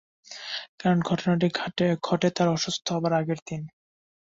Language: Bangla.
কারণ, ঘটনাটি ঘটে তার অসুস্থ হবার আগের দিন।